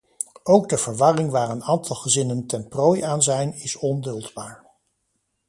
Ook de verwarring waar een aantal gezinnen ten prooi aan zijn is onduldbaar.